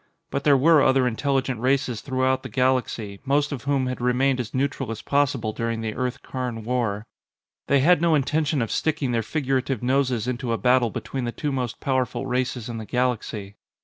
But there were other intelligent races throughout the galaxy, most of whom had remained as neutral as possible during the Earth Karn war. They had no intention of sticking their figurative noses into a battle between the two most powerful races in the galaxy.